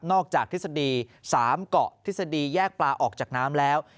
นอกจากทฤษฎีสามเกาะทฤษฎีแยกปลาออกจากน้ำแล้ว